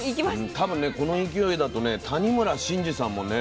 多分ねこの勢いだとね谷村新司さんもね